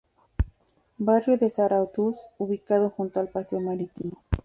Barrio de Zarautz ubicado junto al paseo marítimo.